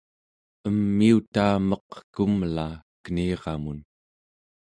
emiutaa meq kumla keniramun